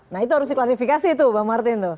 nah itu harus diklarifikasi itu bang martin tuh